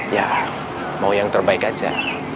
ya mau yang terbaik aja